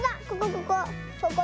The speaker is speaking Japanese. ここここ。